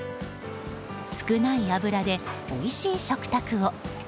少ない油で、おいしい食卓を。